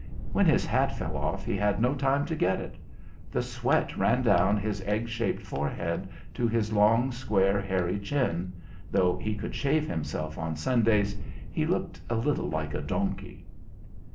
When his hat fell off he had no time to get it. The sweat ran down his egg shaped forehead to his long, square, hairy chin (though he could shave himself on Sundays, he looked a little like a monkey).